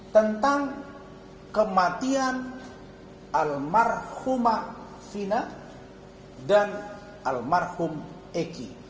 tentang kematian almarhumah fina dan almarhum eki